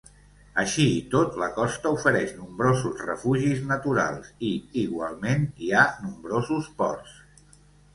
Així i tot, la costa ofereix nombrosos refugis naturals i igualment hi ha nombrosos ports.